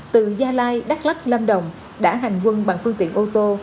từ gia lai đắk lắc lâm đồng đã hành quân bằng phương tiện ô tô